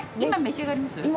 今召し上がります？